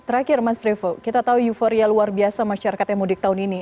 terakhir mas revo kita tahu euforia luar biasa masyarakat yang mudik tahun ini